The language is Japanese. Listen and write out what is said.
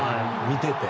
見ていて。